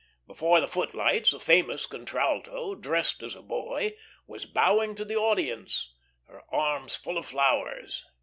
Before the footlights, a famous contralto, dressed as a boy, was bowing to the audience, her arms full of flowers.